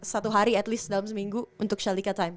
satu hari at least dalam seminggu untuk shalika time